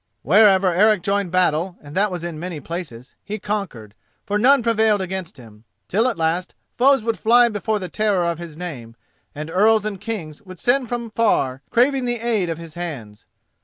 Wherever Eric joined battle, and that was in many places, he conquered, for none prevailed against him, till at last foes would fly before the terror of his name, and earls and kings would send from far craving the aid of his hands.